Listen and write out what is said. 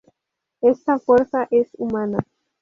Esta fuerza es humana.